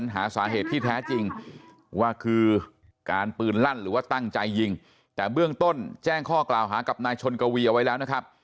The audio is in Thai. หาสาเหตุที่แท้จริงว่าคือการปืนลั่นหรือว่าตั้งใจยิงแต่เบื้องต้นแจ้งข้อกล่าวหากับนายชนกวีเอาไว้แล้วนะครับ